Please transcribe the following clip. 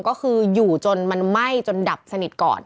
ก็คืออยู่จนมันไหม้จนดับสนิทก่อน